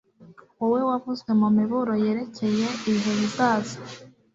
wowe wavuzwe mu miburo yerekeye ibihe bizaza